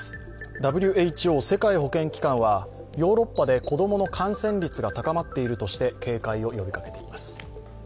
ＷＨＯ＝世界保健機関はヨーロッパで子供の感染率が高まっているとして警戒を呼びかけています。